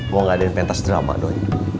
gua nggak ada yang pengen tas drama doi